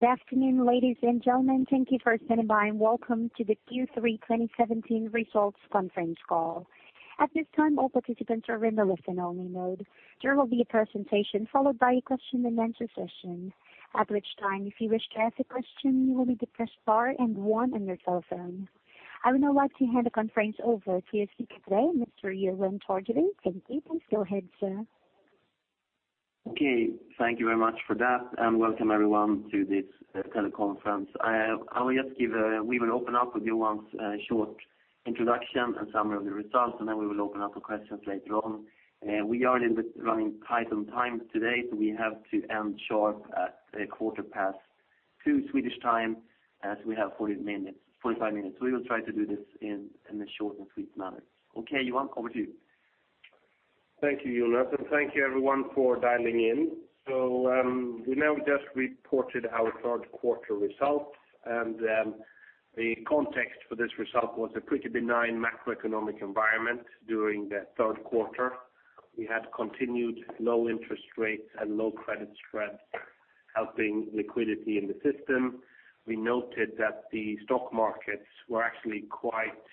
Good afternoon, ladies and gentlemen. Thank you for standing by and welcome to the Q3 2017 results conference call. At this time, all participants are in the listen-only mode. There will be a presentation followed by a question and answer session. At which time, if you wish to ask a question, you will need to press star and one on your telephone. I would now like to hand the conference over to the CEO, Mr. Johan Torgeby. Thank you. Please go ahead, sir. Thank you very much for that, and welcome everyone to this teleconference. We will open up with Johan's short introduction and summary of the results, and then we will open up for questions later on. We are a little bit running tight on time today, so we have to end sharp at a quarter past two Swedish time, as we have 45 minutes. We will try to do this in a short and sweet manner. Johan, over to you. Thank you, Jonas, and thank you everyone for dialing in. We now just reported our third quarter results, the context for this result was a pretty benign macroeconomic environment during the third quarter. We had continued low interest rates and low credit spreads helping liquidity in the system. We noted that the stock markets were actually quite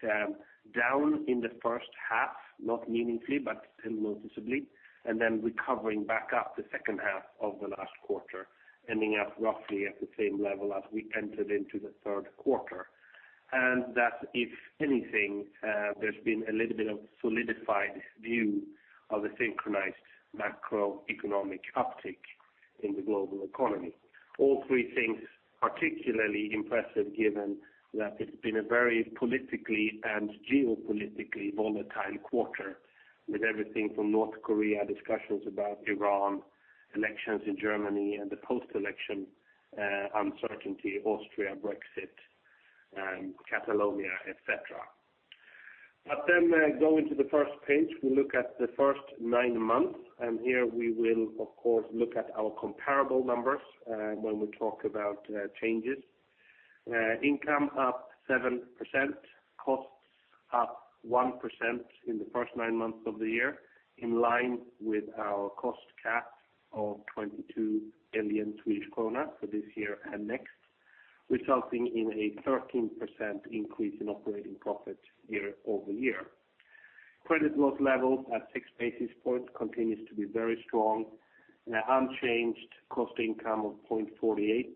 down in the first half, not meaningfully, but still noticeably, and then recovering back up the second half of the last quarter, ending up roughly at the same level as we entered into the third quarter. That, if anything, there's been a little bit of solidified view of a synchronized macroeconomic uptick in the global economy. All three things particularly impressive given that it's been a very politically and geopolitically volatile quarter with everything from North Korea, discussions about Iran, elections in Germany and the post-election uncertainty, Austria, Brexit, Catalonia, et cetera. Going to the first page, we look at the first nine months, here we will, of course, look at our comparable numbers when we talk about changes. Income up 7%, costs up 1% in the first nine months of the year, in line with our cost cap of 22 billion Swedish kronor for this year and next, resulting in a 13% increase in operating profit year-over-year. Credit loss levels at six basis points continues to be very strong. An unchanged cost income of 0.48.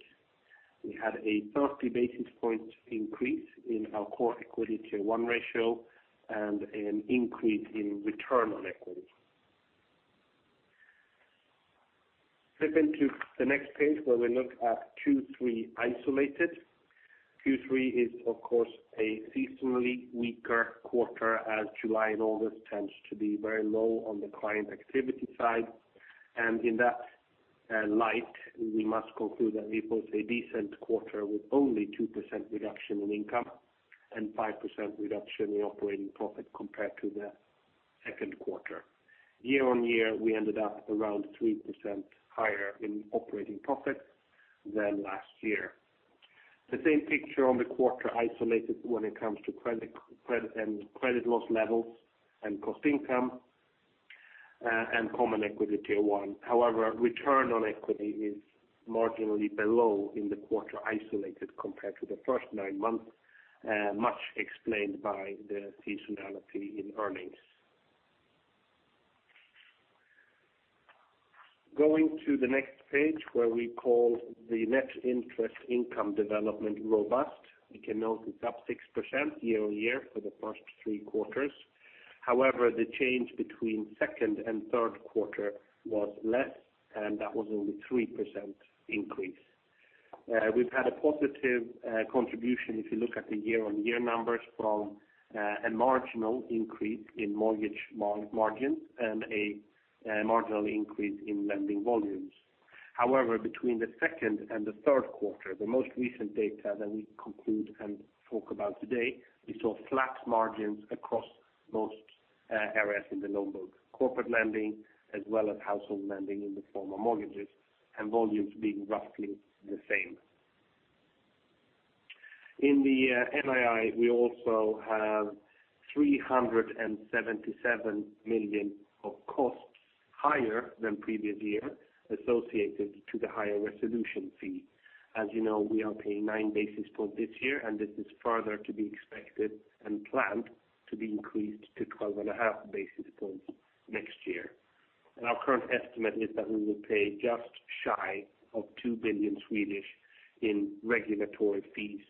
We had a 30 basis point increase in our core equity to one ratio and an increase in return on equity. Flip into the next page where we look at Q3 isolated. Q3 is, of course, a seasonally weaker quarter as July and August tends to be very low on the client activity side. In that light, we must conclude that we post a decent quarter with only 2% reduction in income and 5% reduction in operating profit compared to the second quarter. Year-on-year, we ended up around 3% higher in operating profit than last year. The same picture on the quarter isolated when it comes to credit loss levels and cost income and common equity tier 1. However, return on equity is marginally below in the quarter isolated compared to the first nine months, much explained by the seasonality in earnings. Going to the next page where we call the net interest income development robust. We can note it's up 6% year-on-year for the first three quarters. However, the change between second and third quarter was less, and that was only 3% increase. We've had a positive contribution if you look at the year-on-year numbers from a marginal increase in mortgage margins and a marginal increase in lending volumes. However, between the second and the third quarter, the most recent data that we conclude and talk about today, we saw flat margins across most areas in the loan book. Corporate lending as well as household lending in the form of mortgages and volumes being roughly the same. In the NII, we also have 377 million of costs higher than previous year associated to the higher resolution fee. As you know, we are paying nine basis points this year, this is further to be expected and planned to be increased to 12.5 basis points next year. Our current estimate is that we will pay just shy of 2 billion in regulatory fees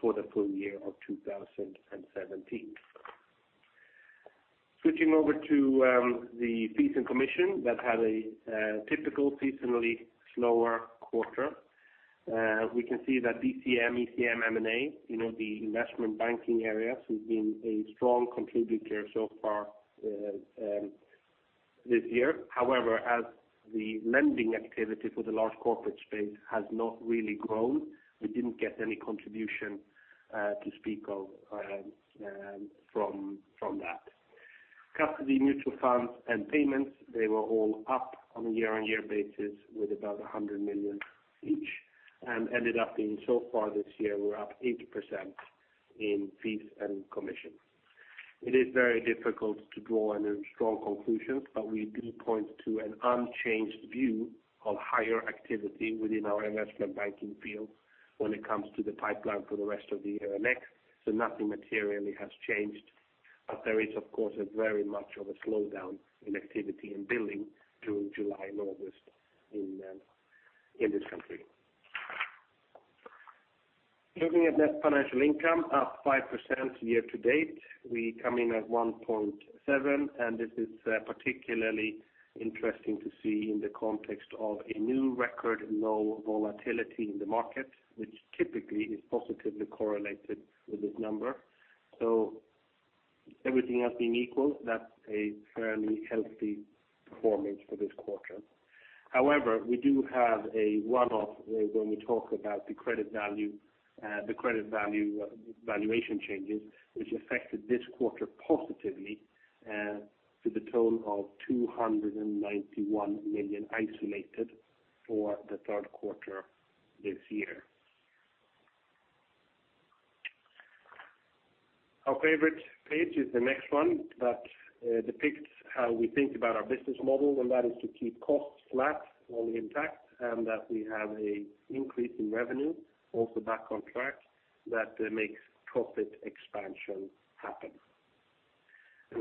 for the full year of 2017. Switching over to the fees and commission that had a typical seasonally slower quarter. We can see that DCM, ECM, M&A, the investment banking areas, have been a strong contributor so far this year. However, as the lending activity for the large corporate space has not really grown, we didn't get any contribution to speak of from that. Custody mutual funds and payments, they were all up on a year-on-year basis with about 100 million each and ended up being so far this year, we're up 80% in fees and commission. It is very difficult to draw any strong conclusions, we do point to an unchanged view of higher activity within our investment banking field when it comes to the pipeline for the rest of the year and next, nothing materially has changed. There is, of course, very much of a slowdown in activity and billing during July and August in this country. Looking at net financial income, up 5% year-to-date. We come in at 1.7, this is particularly interesting to see in the context of a new record low volatility in the market, which typically is positively correlated with this number. Everything else being equal, that's a fairly healthy performance for this quarter. However, we do have a one-off when we talk about the credit value valuation changes, which affected this quarter positively, to the tune of 291 million isolated for the third quarter this year. Our favorite page is the next one, that depicts how we think about our business model, and that is to keep costs flat or intact, and that we have an increase in revenue, also back on track, that makes profit expansion happen.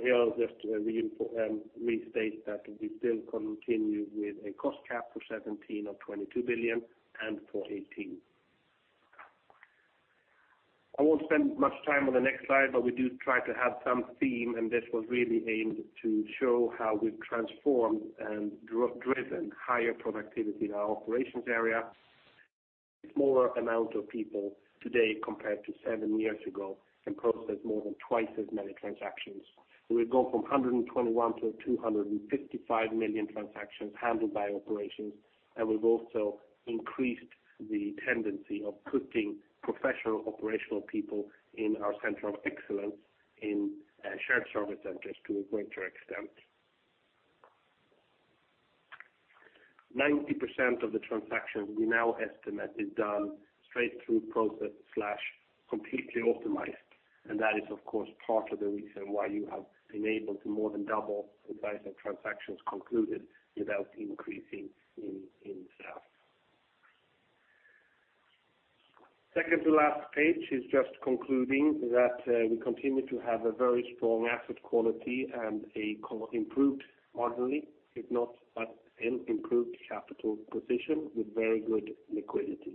Here, I'll just restate that we still continue with a cost cap for 2017 of 22 billion and for 2018. I won't spend much time on the next slide, we do try to have some theme, this was really aimed to show how we've transformed and driven higher productivity in our operations area. A smaller amount of people today compared to seven years ago can process more than twice as many transactions. We've gone from 121 to 255 million transactions handled by operations, we've also increased the tendency of putting professional operational people in our center of excellence in shared service centers to a greater extent. 90% of the transactions we now estimate is done straight through process/completely optimized, that is, of course, part of the reason why you have been able to more than double advisor transactions concluded without increasing in staff. Second to last page is just concluding that we continue to have a very strong asset quality and a improved moderately, if not an improved capital position with very good liquidity.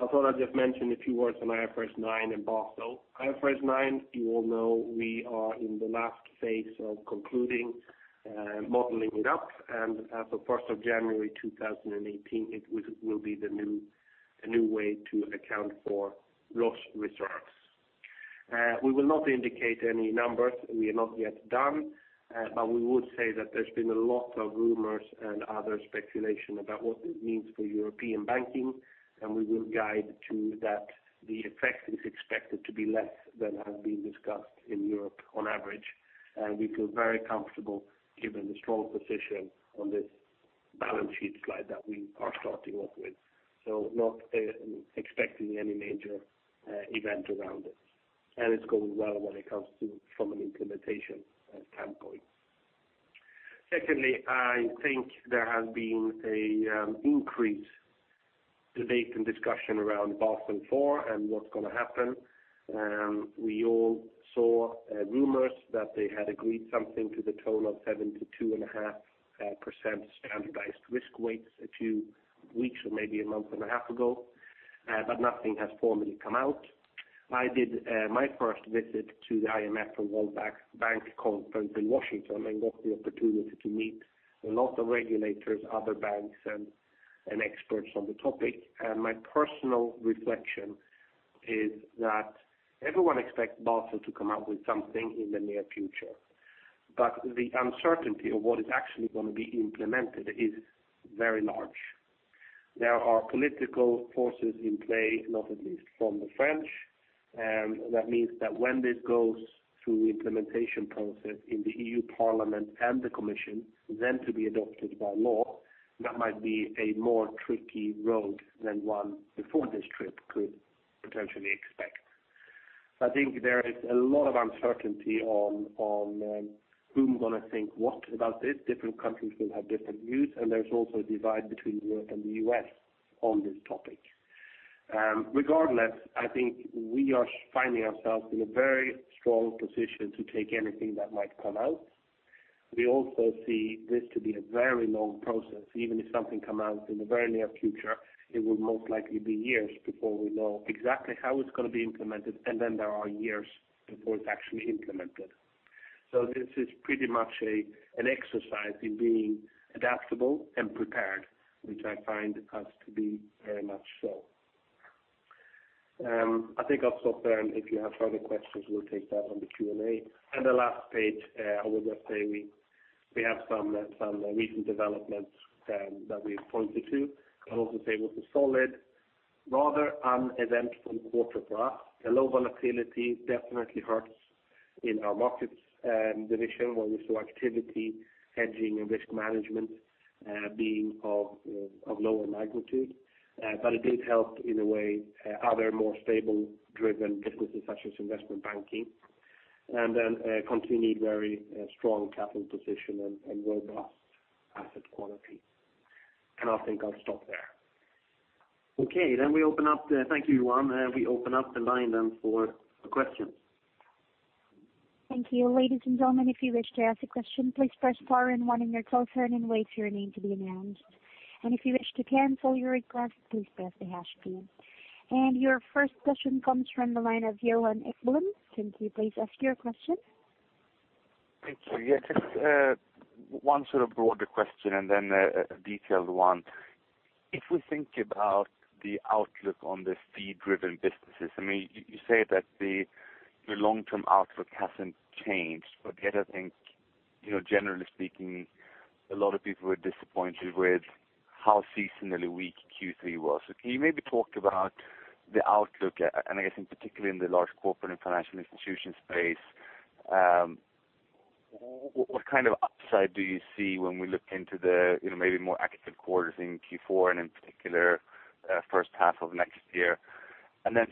I thought I'd just mention a few words on IFRS 9 and Basel. IFRS 9, you all know we are in the last phase of concluding modeling it up, as of 1st of January 2018, it will be the new way to account for loss reserves. We will not indicate any numbers. We are not yet done. We would say that there's been a lot of rumors and other speculation about what this means for European banking, we will guide to that the effect is expected to be less than has been discussed in Europe on average. We feel very comfortable given the strong position on this balance sheet slide that we are starting off with. Not expecting any major event around it's going well when it comes to from an implementation standpoint. Secondly, I think there has been an increased debate and discussion around Basel IV and what's going to happen. We all saw rumors that they had agreed something to the tune of 72.5% standardized risk weights a few weeks or maybe a month and a half ago, nothing has formally come out. I did my first visit to the IMF and World Bank conference in Washington got the opportunity to meet a lot of regulators, other banks, and experts on the topic. My personal reflection is that everyone expects Basel to come out with something in the near future. The uncertainty of what is actually going to be implemented is very large. There are political forces in play, not at least from the French. That means that when this goes through the implementation process in the EU Parliament and the commission, to be adopted by law, that might be a more tricky road than one before this trip could potentially expect. I think there is a lot of uncertainty on who are going to think what about this. Different countries will have different views, and there's also a divide between Europe and the U.S. on this topic. Regardless, I think we are finding ourselves in a very strong position to take anything that might come out. We also see this to be a very long process. Even if something come out in the very near future, it would most likely be years before we know exactly how it's going to be implemented, and then there are years before it's actually implemented. This is pretty much an exercise in being adaptable and prepared, which I find us to be very much so. I think I'll stop there, and if you have further questions, we'll take that on the Q&A. The last page, I would just say we have some recent developments that we have pointed to. I'd also say it was a solid, rather uneventful quarter for us. The low volatility definitely hurts in our markets division where we saw activity hedging and risk management being of lower magnitude. It did help in a way, other more stable driven businesses such as investment banking, then continued very strong capital position and robust asset quality. I think I'll stop there. Okay, thank you, Johan. We open up the line for questions. Thank you. Ladies and gentlemen, if you wish to ask a question, please press star one on your telephone and wait for your name to be announced. If you wish to cancel your request, please press the hash key. Your first question comes from the line of Johan Ekblom. Can you please ask your question? Thank you. Yes, just one sort of broader question and then a detailed one. If we think about the outlook on the fee-driven businesses. You say that your long-term outlook hasn't changed, but yet, I think, generally speaking, a lot of people were disappointed with how seasonally weak Q3 was. Can you maybe talk about the outlook at, and I guess in particular in the large corporate and financial institution space. What kind of upside do you see when we look into the maybe more active quarters in Q4 and in particular, first half of next year?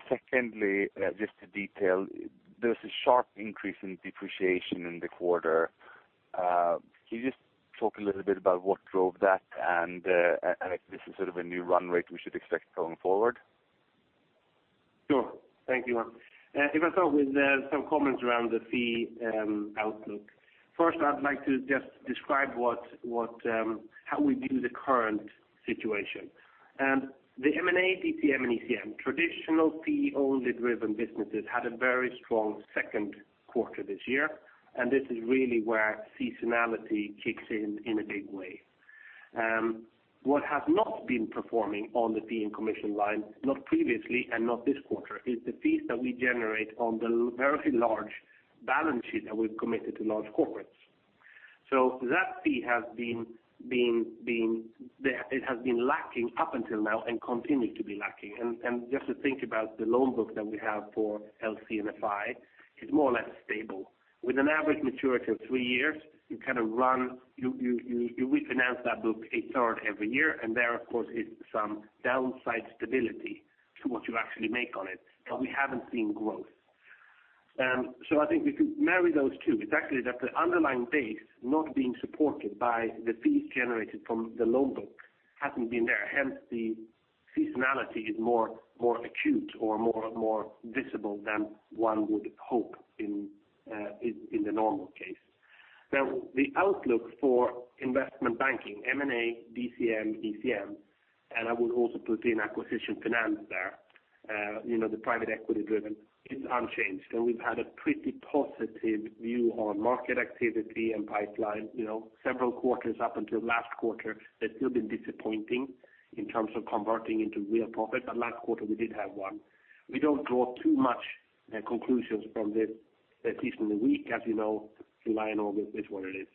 Secondly, just the detail. There's a sharp increase in depreciation in the quarter. Can you just talk a little bit about what drove that and if this is a new run rate we should expect going forward? Sure. Thank you. If I start with some comments around the fee outlook. First, I'd like to just describe how we view the current situation. The M&A, DCM, and ECM traditional fee-only driven businesses had a very strong second quarter this year, and this is really where seasonality kicks in a big way. What has not been performing on the fee and commission line, not previously and not this quarter, is the fees that we generate on the very large balance sheet that we've committed to large corporates. That fee it has been lacking up until now and continues to be lacking. Just to think about the loan book that we have for LC and FI, is more or less stable. With an average maturity of three years, you re-finance that book a third every year, there of course is some downside stability to what you actually make on it, but we haven't seen growth. I think we could marry those two. It's actually that the underlying base not being supported by the fees generated from the loan book, hasn't been there. Hence, the seasonality is more acute or more visible than one would hope in the normal case. Now the outlook for investment banking, M&A, DCM, ECM, and I would also put in acquisition finance there, the private equity driven, it's unchanged. We've had a pretty positive view on market activity and pipeline. Several quarters up until last quarter, that's still been disappointing in terms of converting into real profit, but last quarter we did have one. We don't draw too much conclusions from this, at least in the week. As you know, July and August is what it is.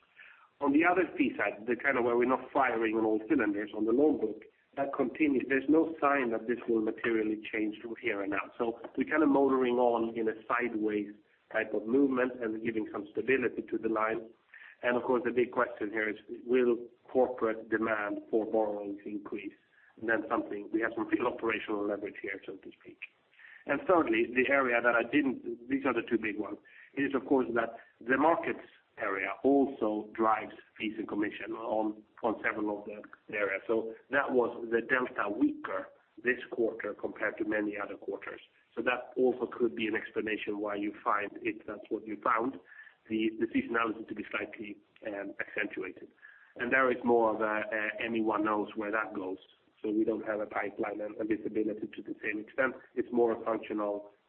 On the other fee side, the where we're not firing on all cylinders on the loan book. That continues. There's no sign that this will materially change from here and now. We're motoring on in a sideways type of movement and giving some stability to the line. Of course, the big question here is, will corporate demand for borrowings increase? We have some real operational leverage here, so to speak. Thirdly, These are the two big ones, is of course that the markets area also drives fees and commission on several of the areas. That was the delta weaker this quarter compared to many other quarters. That also could be an explanation why you find it, the seasonality to be slightly accentuated. There is more of a anyone knows where that goes. We don't have a pipeline and visibility to the same extent. It's more a function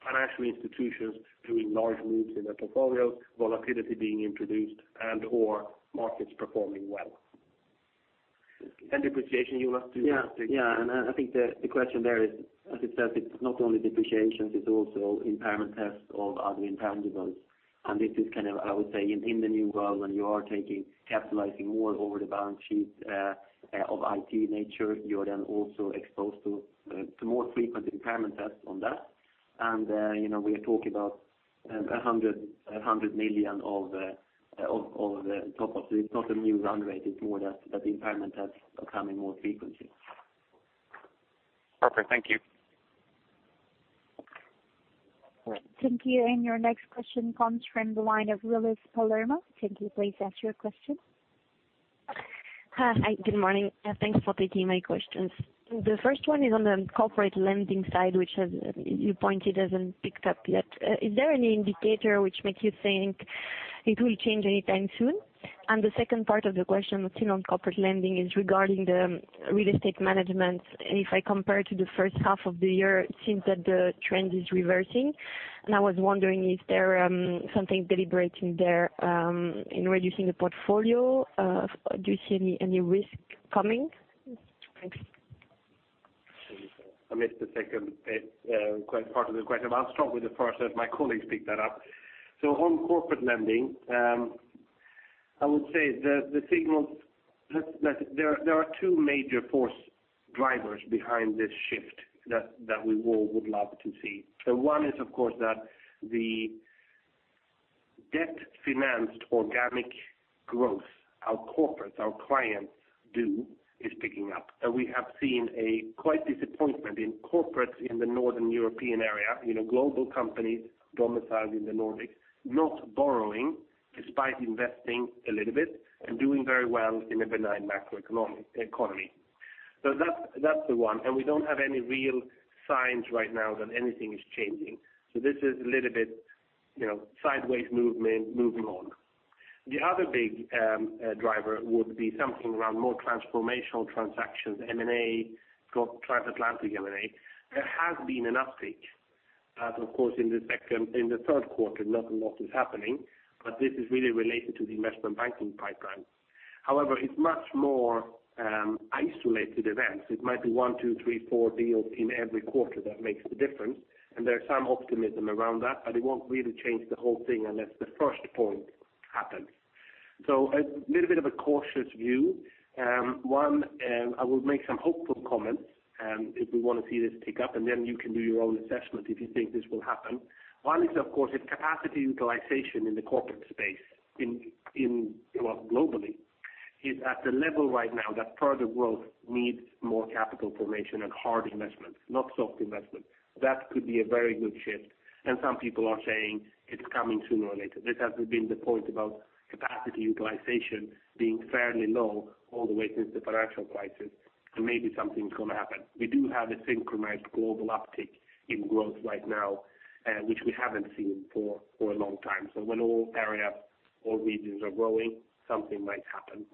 of financial institutions doing large moves in their portfolios, volatility being introduced and/or markets performing well. Depreciation, you want to take? Yeah. I think the question there is, as it says, it's not only depreciations, it's also impairment tests of other intangibles. This is, I would say in the new world, when you are taking capitalizing more over the balance sheet of IT nature, you are then also exposed to more frequent impairment tests on that. We are talking about 100 million of the top of it. It's not a new run rate, it's more that the impairment tests are coming more frequently. Perfect. Thank you. Thank you. Your next question comes from the line of Willis Palermo. Thank you. Please ask your question. Hi. Good morning. Thanks for taking my questions. The first one is on the corporate lending side, which you pointed hasn't picked up yet. Is there any indicator which makes you think it will change anytime soon? The second part of the question still on corporate lending, is regarding the real estate management. If I compare to the first half of the year, it seems that the trend is reversing, and I was wondering if there something deliberating there in reducing the portfolio. Do you see any risk coming? Thanks. I missed the second part of the question, I'll start with the first, let my colleagues pick that up. On corporate lending, I would say there are two major force drivers behind this shift that we all would love to see. One is, of course, that the Debt-financed organic growth. Our corporates, our clients do, is picking up. We have seen a quite disappointment in corporates in the Northern European area, global companies domiciled in the Nordics, not borrowing despite investing a little bit and doing very well in a benign macroeconomic economy. That's the one, and we don't have any real signs right now that anything is changing. This is a little bit sideways movement moving on. The other big driver would be something around more transformational transactions, M&A, trans-Atlantic M&A. There has been an uptick, of course in the third quarter, not a lot is happening, but this is really related to the investment banking pipeline. However, it's much more isolated events. It might be one, two, three, four deals in every quarter that makes the difference, there is some optimism around that, it won't really change the whole thing unless the first point happens. A little bit of a cautious view. One, I will make some hopeful comments, if we want to see this pick up, then you can do your own assessment if you think this will happen. One is, of course, if capacity utilization in the corporate space, globally, is at the level right now that further growth needs more capital formation and hard investments, not soft investment. That could be a very good shift, some people are saying it's coming sooner or later. This has been the point about capacity utilization being fairly low all the way since the financial crisis, maybe something's going to happen. We do have a synchronized global uptick in growth right now, which we haven't seen for a long time. When all areas, all regions are growing, something might happen.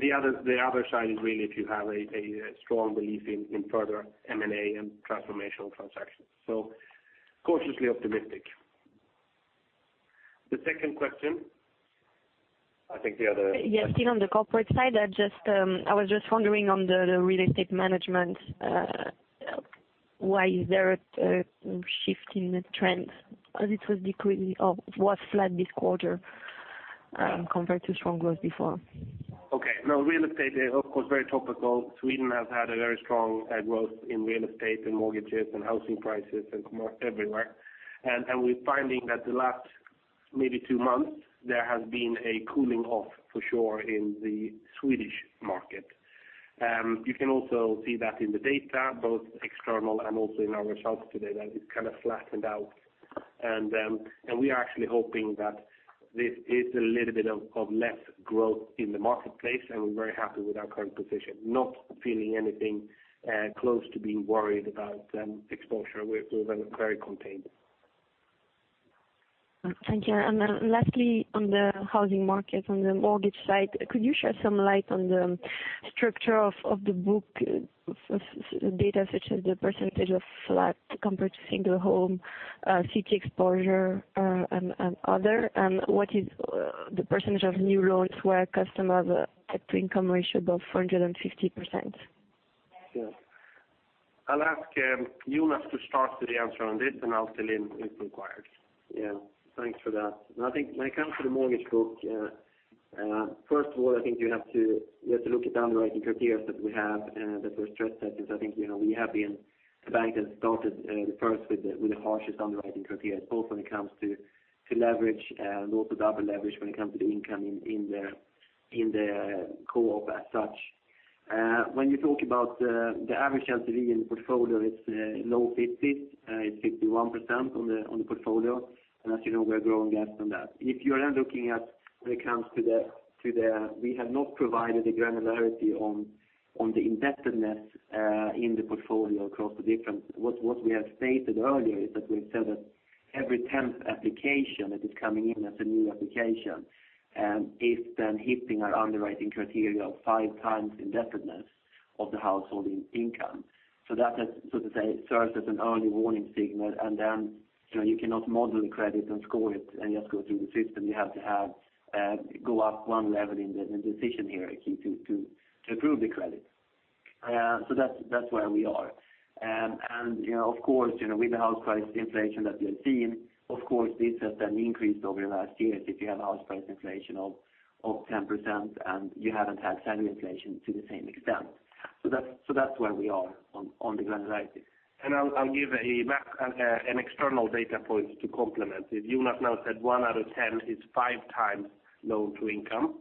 The other side is really if you have a strong belief in further M&A and transformational transactions. Cautiously optimistic. The second question, I think the other. Yes, still on the corporate side. I was just wondering on the real estate management, why is there a shift in the trend as it was decreasing or was flat this quarter compared to strong growth before? Okay. Real estate is, of course, very topical. Sweden has had a very strong growth in real estate and mortgages and housing prices everywhere. We're finding that the last maybe two months, there has been a cooling off for sure in the Swedish market. You can also see that in the data, both external and also in our results today, that it's flattened out. We are actually hoping that this is a little bit of less growth in the marketplace, and we're very happy with our current position. Not feeling anything close to being worried about exposure. We're very contained. Thank you. Lastly, on the housing market, on the mortgage side, could you shed some light on the structure of the book data, such as the % of flat compared to single home, city exposure, and other? What is the % of new loans where customers have debt-to-income ratio above 450%? Sure. I'll ask Jonas to start to the answer on this, and I'll fill in if required. Yeah. Thanks for that. I think when it comes to the mortgage book, first of all, I think you have to look at the underwriting criteria that we have that were stress tested. I think we have been the bank that started the first with the harshest underwriting criteria, both when it comes to leverage and also double leverage when it comes to the income in the co-op as such. When you talk about the average LTV in the portfolio, it's low 50s. It's 51% on the portfolio. As you know, we're growing less than that. If you are looking at when it comes to We have not provided a granularity on the indebtedness in the portfolio across the difference. What we have stated earlier is that we've said that every 10th application that is coming in as a new application is then hitting our underwriting criteria of five times indebtedness of the household income. That, so to say, serves as an early warning signal, and then you cannot model the credit and score it and just go through the system. You have to go up one level in the decision hierarchy to approve the credit. That's where we are. Of course, with the house price inflation that we have seen, of course, this has then increased over the last years if you have house price inflation of 10%, and you haven't had salary inflation to the same extent. That's where we are on the granularity. I'll give an external data point to complement it. Jonas now said one out of 10 is five times loan-to-income.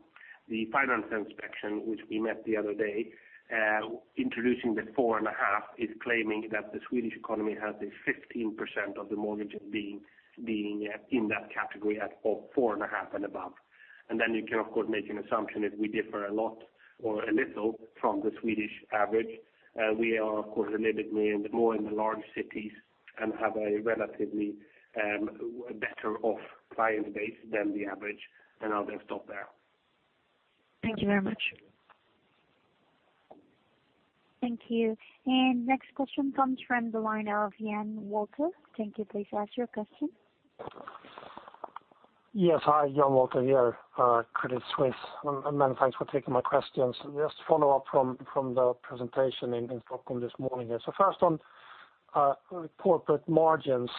The Finansinspektionen, which we met the other day introducing the 4.5, is claiming that the Swedish economy has a 15% of the mortgages being in that category at 4.5 and above. You can, of course, make an assumption if we differ a lot or a little from the Swedish average. We are, of course, a little bit more in the large cities and have a relatively better off client base than the average. I'll then stop there. Thank you very much. Thank you. Next question comes from the line of Yannick Walter. Thank you. Please ask your question. Yes. Hi, Yannick Walter here, Credit Suisse. Many thanks for taking my questions. Just to follow up from the presentation in Stockholm this morning. First on corporate margins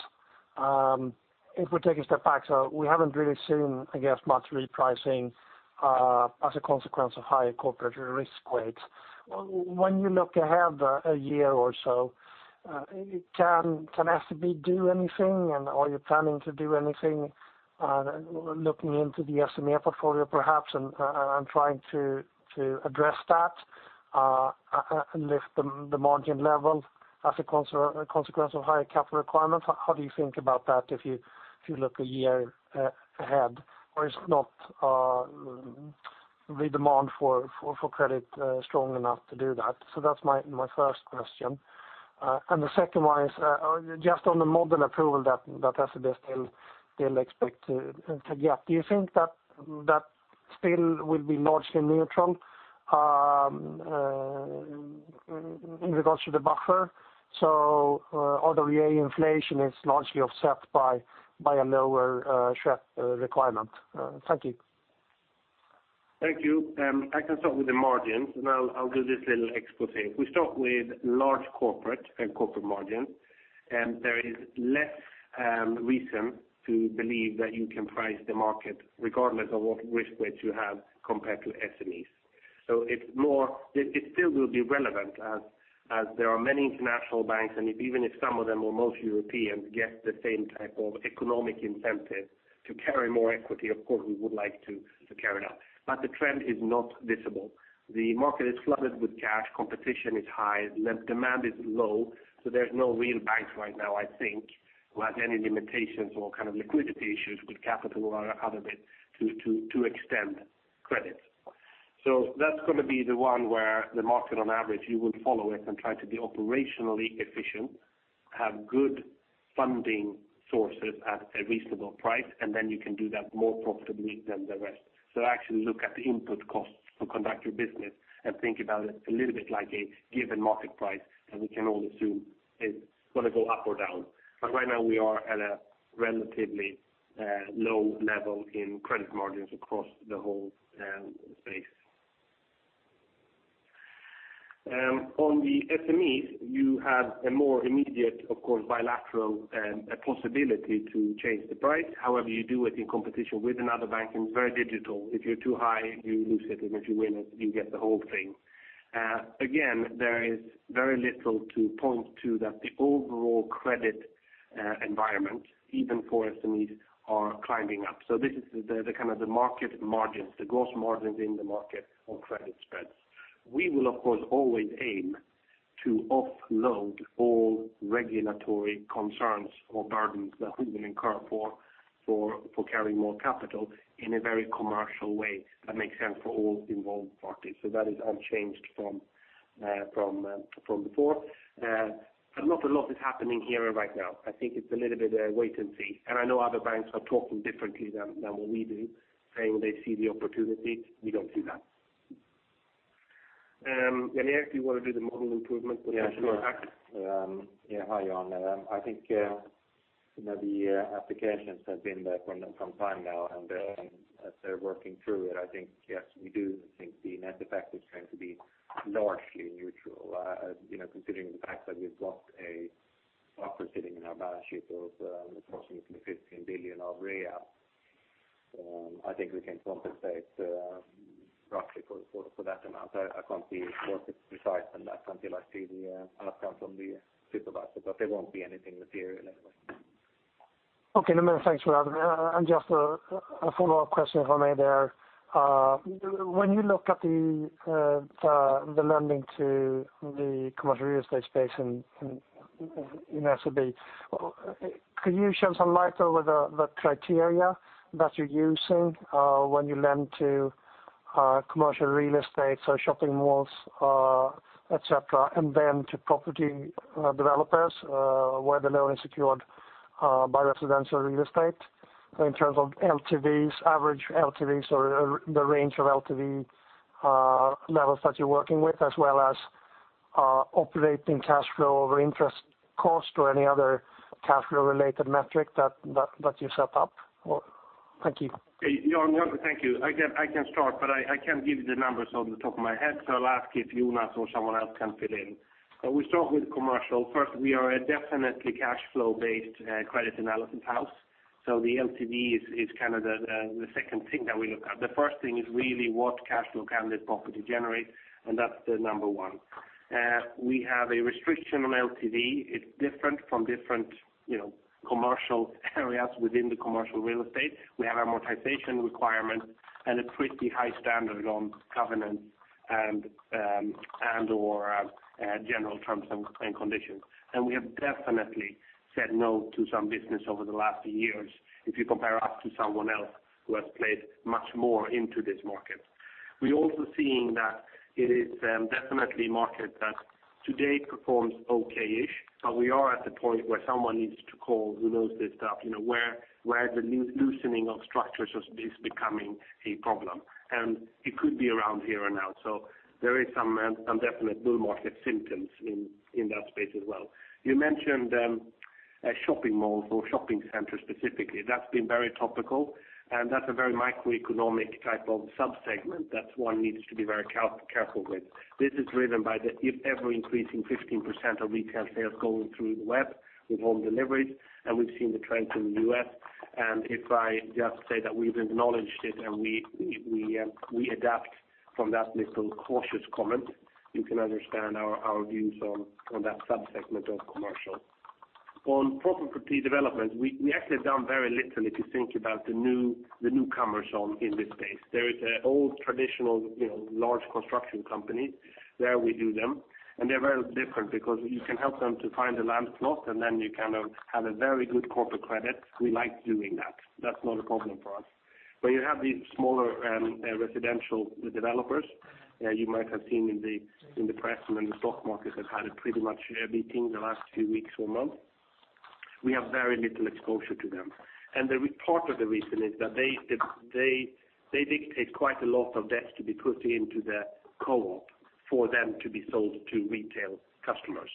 If we take a step back, we haven't really seen, I guess, much repricing as a consequence of higher corporate risk weight. When you look ahead a year or so, can SEB do anything and are you planning to do anything looking into the SME portfolio perhaps, and trying to address that and lift the margin level as a consequence of higher capital requirements? How do you think about that if you look a year ahead? Or is the demand for credit strong enough to do that? That's my first question. The second one is just on the model approval that SEB still expect to get. Do you think that still will be largely neutral in regards to the buffer? RWA inflation is largely offset by a lower SREP requirement. Thank you. Thank you. I can start with the margins and I'll do this little expose. We start with large corporate and corporate margins. There is less reason to believe that you can price the market regardless of what risk weight you have compared to SMEs. It still will be relevant as there are many international banks, and even if some of them or most Europeans get the same type of economic incentive to carry more equity, of course, we would like to carry it out. The trend is not visible. The market is flooded with cash, competition is high, demand is low, there's no real banks right now, I think, who have any limitations or kind of liquidity issues with capital or other bits to extend credit. That's going to be the one where the market on average, you will follow it and try to be operationally efficient, have good funding sources at a reasonable price, and then you can do that more profitably than the rest. Actually look at the input costs to conduct your business and think about it a little bit like a given market price that we can all assume is going to go up or down. Right now we are at a relatively low level in credit margins across the whole space. On the SMEs, you have a more immediate, of course, bilateral possibility to change the price. However you do it in competition with another bank and it's very digital. If you're too high, you lose it, and if you win it, you get the whole thing. Again, there is very little to point to that the overall credit environment, even for SMEs, are climbing up. This is the market margins, the gross margins in the market on credit spreads. We will, of course, always aim to offload all regulatory concerns or burdens that we will incur for carrying more capital in a very commercial way that makes sense for all involved parties. That is unchanged from before. Not a lot is happening here right now. I think it's a little bit wait and see. I know other banks are talking differently than what we do, saying they see the opportunity. We don't see that. Jan Erik, you want to do the model improvement potential impact? Yeah, sure. Hi, Jan. I think the applications have been there for some time now, as they're working through it, I think yes, we do think the net effect is going to be largely neutral. Considering the fact that we've got a buffer sitting in our balance sheet of approximately 15 billion of RWA. I think we can compensate roughly for that amount. I can't be precise on that until I see the outcome from the supervisor, there won't be anything material anyway. Okay. No, thanks for adding that. Just a follow-up question, if I may there. When you look at the lending to the commercial real estate space in SEB, could you shed some light over the criteria that you're using when you lend to commercial real estate, so shopping malls, et cetera, and then to property developers where the loan is secured by residential real estate in terms of LTVs, average LTVs, or the range of LTV levels that you're working with, as well as operating cash flow over interest cost or any other cash flow related metric that you set up? Thank you. Jan, thank you. I can start, but I can't give you the numbers off the top of my head, so I'll ask if Jonas or someone else can fill in. We start with commercial. First, we are a definitely cash flow based credit analysis house. The LTV is the second thing that we look at. The first thing is really what cash flow can this property generate, and that's the number one. We have a restriction on LTV. It's different for different commercial areas within the commercial real estate. We have amortization requirements and a pretty high standard on covenants and/or general terms and conditions. We have definitely said no to some business over the last years, if you compare us to someone else who has played much more into this market. We're also seeing that it is definitely a market that today performs okay-ish. We are at the point where someone needs to call who knows this stuff, where the loosening of structures is becoming a problem. It could be around here now. There is some definite bull market symptoms in that space as well. You mentioned shopping malls or shopping centers specifically. That's been very topical, and that's a very microeconomic type of sub-segment that one needs to be very careful with. This is driven by the ever-increasing 15% of retail sales going through the web with home deliveries, and we've seen the trends in the U.S. If I just say that we've acknowledged it, and we adapt from that little cautious comment, you can understand our views on that sub-segment of commercial. On property development, we actually have done very little if you think about the newcomers in this space. There is an old traditional large construction company. There we do them, and they're very different because you can help them to find a land plot, and then you have a very good corporate credit. We like doing that. That's not a problem for us. You have these smaller residential developers you might have seen in the press, and in the stock market have had a pretty much beating the last two weeks or a month. We have very little exposure to them. Part of the reason is that they dictate quite a lot of debt to be put into the co-op for them to be sold to retail customers.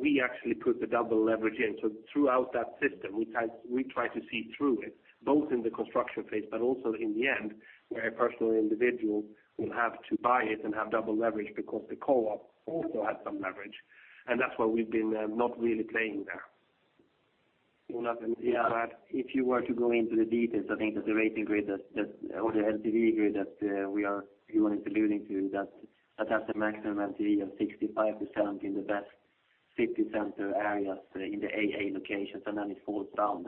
We actually put the double leverage in. Throughout that system, we try to see through it, both in the construction phase but also in the end, where a personal individual will have to buy it and have double leverage because the co-op also has some leverage. That's why we've been not really playing there. Johan, if you were to go into the details, I think that the rating grid or the LTV grid that Johan is alluding to, that has a maximum LTV of 65% in the best city center areas in the AA locations, then it falls down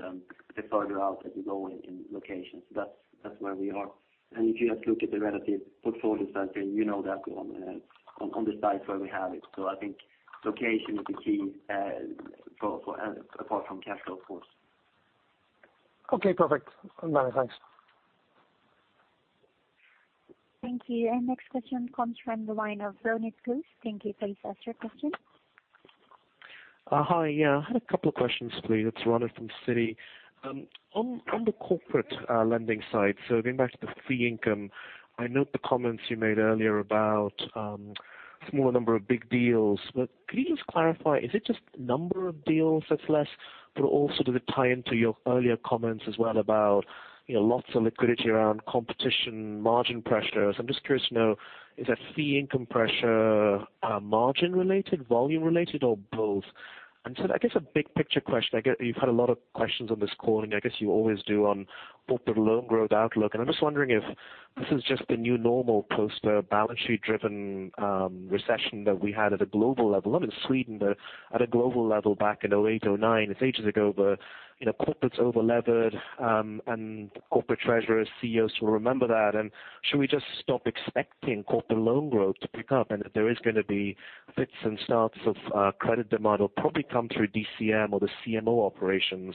the further out that you go in locations. That's where we are. If you just look at the relative portfolios, I think you know that on the sites where we have it. I think location is the key apart from cash flow, of course. Okay, perfect. Many thanks. Thank you. Our next question comes from the line of Ronit Ghose. Thank you. Please ask your question. Hi. Yeah. I had a couple of questions, please. It's Ronit from Citi. On the corporate lending side, going back to the fee income, I note the comments you made earlier about a smaller number of big deals. Could you just clarify, is it just number of deals that's less, but also does it tie into your earlier comments as well about lots of liquidity around competition, margin pressures? I'm just curious to know, is that fee income pressure margin related, volume related, or both? I guess a big picture question, I get that you've had a lot of questions on this call, I guess you always do on corporate loan growth outlook, I'm just wondering if this is just the new normal post balance sheet-driven recession that we had at a global level, not in Sweden, but at a global level back in 2008, 2009. It's ages ago, corporates over-levered, corporate treasurers, CEOs will remember that. Should we just stop expecting corporate loan growth to pick up and that there is going to be fits and starts of credit demand will probably come through DCM or the DCM operations.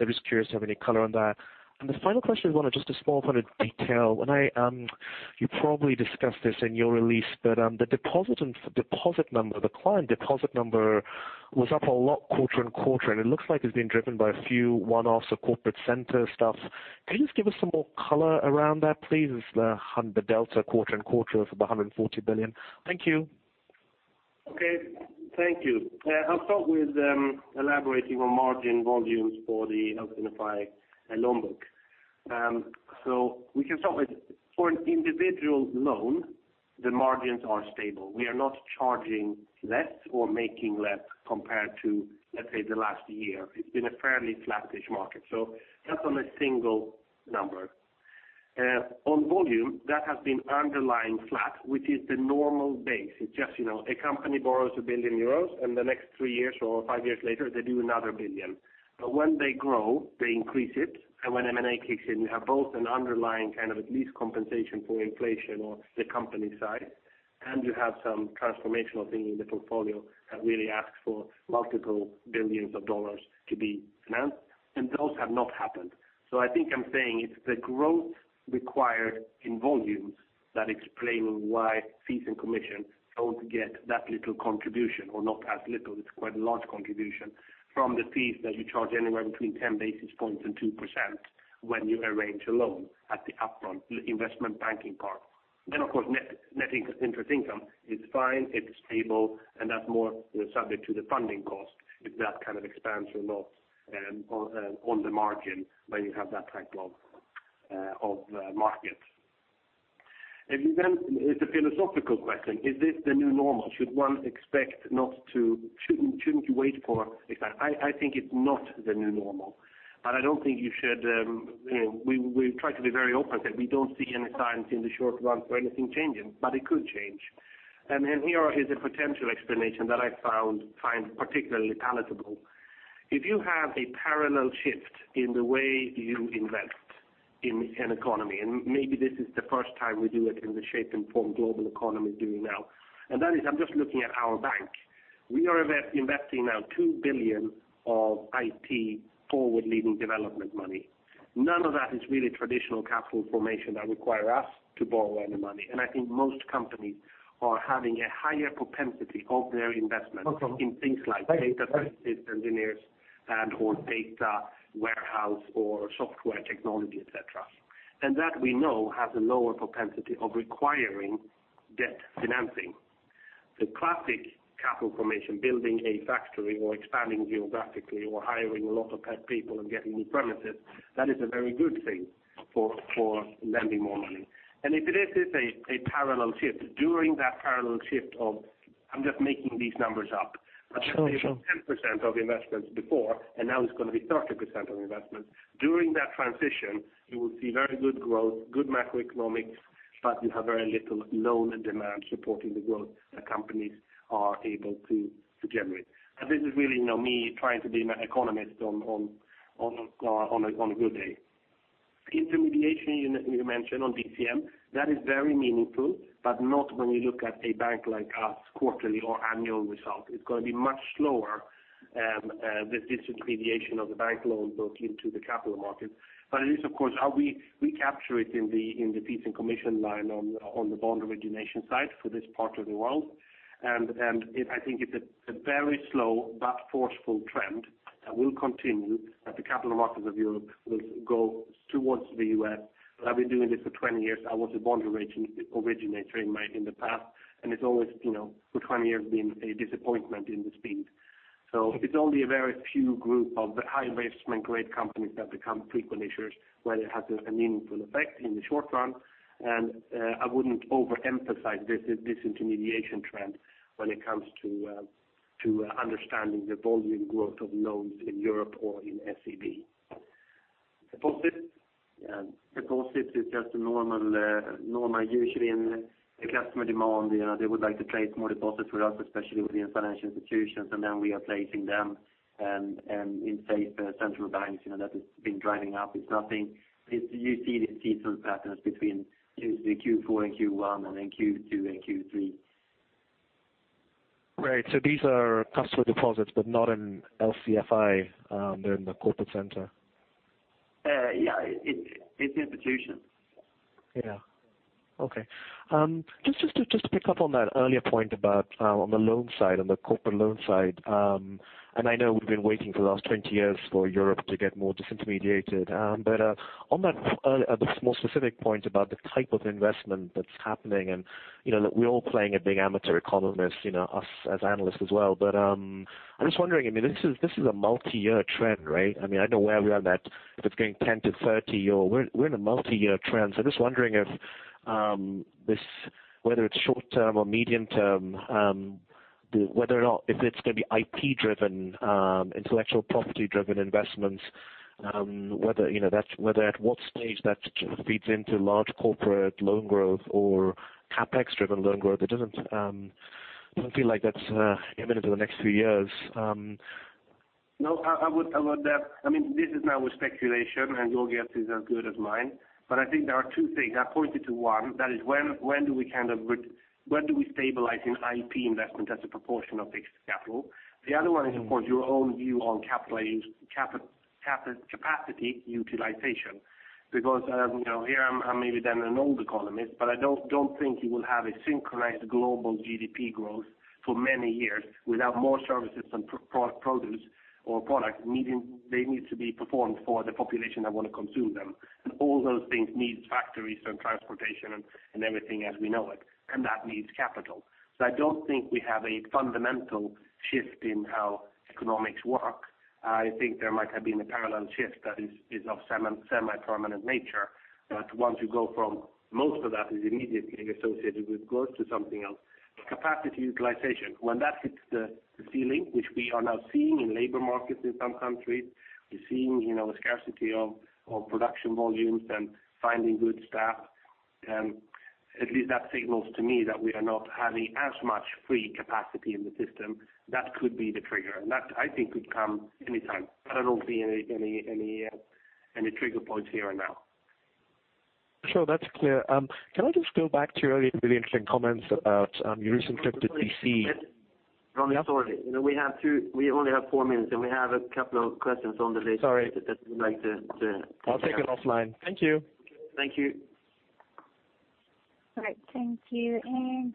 I'm just curious if you have any color on that. The final question is, Ronit, just a small point of detail. You probably discussed this in your release, the deposit number, the client deposit number was up a lot quarter-on-quarter, it looks like it's been driven by a few one-offs of corporate center stuff. Can you just give us some more color around that, please? It's the delta quarter-on-quarter of 140 billion. Thank you. Okay. Thank you. I'll start with elaborating on margin volumes for the SEB loan book. We can start with, for an individual loan, the margins are stable. We are not charging less or making less compared to, let's say, the last year. It's been a fairly flattish market. That's on a single number. On volume, that has been underlying flat, which is the normal base. It's just a company borrows 1 billion euros, the next three years or five years later, they do another billion. When they grow, they increase it. When M&A kicks in, you have both an underlying at least compensation for inflation on the company side, you have some transformational thing in the portfolio that really asks for multiple billions of EUR to be financed, those have not happened. I think I'm saying it's the growth required in volumes that explain why fees and commission don't get that little contribution or not as little. It's quite a large contribution from the fees that you charge anywhere between 10 basis points and 2% when you arrange a loan at the upfront investment banking part. Of course, net interest income is fine, it's stable, that's more subject to the funding cost if that expands or not on the margin when you have that type of market. It's a philosophical question. Is this the new normal? Shouldn't you wait for it? I think it's not the new normal, I don't think you should. We try to be very open that we don't see any signs in the short run for anything changing, but it could change. Here is a potential explanation that I find particularly palatable. If you have a parallel shift in the way you invest in an economy, and maybe this is the first time we do it in the shape and form global economy is doing now. That is, I'm just looking at our bank. We are investing now 2 billion of IT forward-leading development money. None of that is really traditional capital formation that require us to borrow any money. I think most companies are having a higher propensity of their investment in things like data scientists, engineers, and/or data warehouse or software technology, et cetera. That we know has a lower propensity of requiring debt financing. The classic capital formation, building a factory or expanding geographically or hiring a lot of people and getting new premises, that is a very good thing for lending more money. If this is a parallel shift, during that parallel shift of, I'm just making these numbers up. Sure Let's say it was 10% of investments before, and now it's going to be 30% of investments. During that transition, you will see very good growth, good macroeconomics. You have very little loan demand supporting the growth that companies are able to generate. This is really me trying to be an economist on a good day. Disintermediation, you mentioned on DCM, that is very meaningful, but not when you look at a bank like us, quarterly or annual result. It's going to be much slower, this disintermediation of the bank loans built into the capital markets. It is, of course, how we capture it in the fees and commission line on the bond origination side for this part of the world. I think it's a very slow but forceful trend that will continue, that the capital markets of Europe will go towards the U.S. I've been doing this for 20 years. I was a bond originator in the past, and it's always for 20 years been a disappointment in the speed. It's only a very few group of high investment grade companies that become frequent issuers, where it has a meaningful effect in the short run. I wouldn't overemphasize this disintermediation trend when it comes to understanding the volume growth of loans in Europe or in SEB. Deposits? Yeah. Deposits is just normal. Usually in the customer demand, they would like to place more deposits with us, especially with the financial institutions. We are placing them in safe central banks. That has been driving up. You see the seasonal patterns between the Q4 and Q1, Q2 and Q3. Right. These are customer deposits, but not in LC&FI. They're in the corporate center. Yeah. It's institutions. Yeah. Okay. Just to pick up on that earlier point about on the loan side, on the corporate loan side. I know we've been waiting for the last 20 years for Europe to get more disintermediated. On that small specific point about the type of investment that's happening, and we're all playing a big amateur economist, us as analysts as well. I'm just wondering, this is a multi-year trend, right? I know where we are that if it's going 10 to 30, we're in a multi-year trend. Just wondering if whether it's short term or medium term, if it's going to be IP-driven, intellectual property driven investments, whether at what stage that feeds into large corporate loan growth or CapEx driven loan growth. It doesn't feel like that's imminent in the next few years. No. This is now a speculation and your guess is as good as mine. I think there are two things. I pointed to one, that is when do we stabilize in IP investment as a proportion of fixed capital? The other one is, of course, your own view on capacity utilization. Here I'm maybe then an old economist, but I don't think you will have a synchronized global GDP growth for many years without more services and produce or product. They need to be performed for the population that want to consume them. All those things need factories and transportation and everything as we know it, and that needs capital. I don't think we have a fundamental shift in how economics work. I think there might have been a parallel shift that is of semi-permanent nature. Once you go from most of that is immediately associated with growth to something else. Capacity utilization, when that hits the ceiling, which we are now seeing in labor markets in some countries, we're seeing a scarcity of production volumes and finding good staff. At least that signals to me that we are not having as much free capacity in the system. That could be the trigger, and that I think could come anytime. I don't see any trigger points here and now. Sure. That's clear. Can I just go back to your earlier really interesting comments about your recent trip to D.C.? Sorry. We only have four minutes, and we have a couple of questions on the list. Sorry that we'd like to take. I'll take it offline. Thank you. Thank you. All right. Thank you.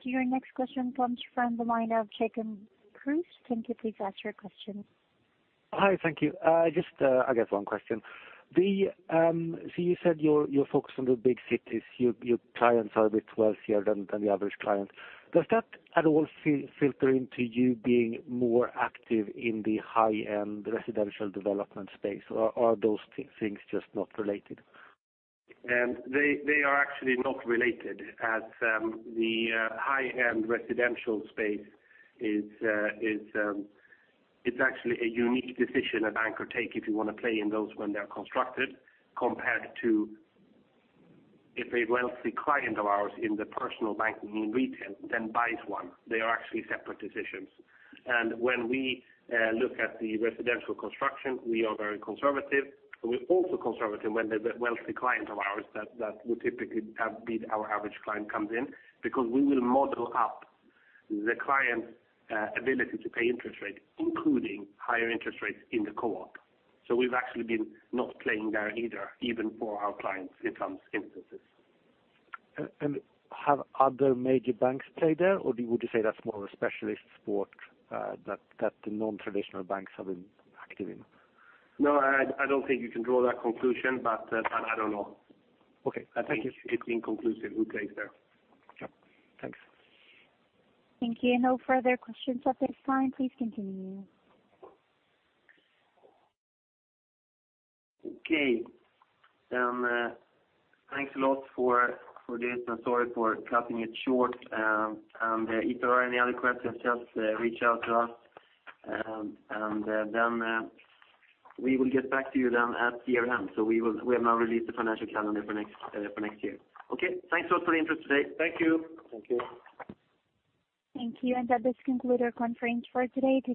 Your next question comes from the line of Jacob Kruse. Thank you. Please ask your question. Hi. Thank you. Just, I guess one question. You said you're focused on the big cities, your clients are a bit wealthier than the average client. Does that at all filter into you being more active in the high-end residential development space, or are those things just not related? They are actually not related as the high-end residential space it's actually a unique decision a bank could take if you want to play in those when they're constructed. Compared to if a wealthy client of ours in the personal banking, in retail, then buys one. They are actually separate decisions. When we look at the residential construction, we are very conservative. We're also conservative when the wealthy client of ours that would typically have been our average client comes in, because we will model up the client's ability to pay interest rate, including higher interest rates in the co-op. We've actually been not playing there either, even for our clients in some instances. Have other major banks played there, or would you say that's more of a specialist sport that the non-traditional banks have been active in? No, I don't think you can draw that conclusion, but I don't know. Okay. Thank you. I think it's inconclusive who plays there. Sure. Thanks. Thank you. No further questions at this time. Please continue. Okay. Thanks a lot for this, and sorry for cutting it short. If there are any other questions, just reach out to us, we will get back to you at year-end. We have now released the financial calendar for next year. Okay. Thanks a lot for the interest today. Thank you. Thank you. Thank you. That does conclude our conference for today.